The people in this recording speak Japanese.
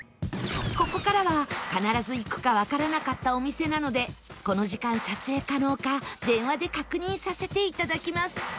ここからは必ず行くかわからなかったお店なのでこの時間撮影可能か電話で確認させて頂きます